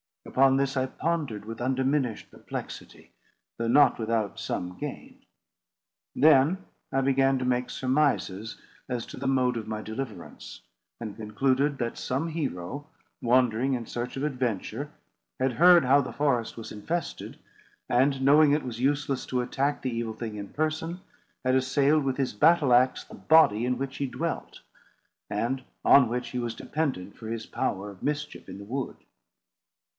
Upon this I pondered with undiminished perplexity, though not without some gain. Then I began to make surmises as to the mode of my deliverance; and concluded that some hero, wandering in search of adventure, had heard how the forest was infested; and, knowing it was useless to attack the evil thing in person, had assailed with his battle axe the body in which he dwelt, and on which he was dependent for his power of mischief in the wood.